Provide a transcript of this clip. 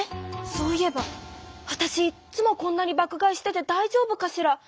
そういえばわたしいっつもこんなに爆買いしててだいじょうぶかしら？